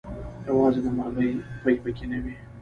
يوازې دمرغۍ پۍ پکې نه وې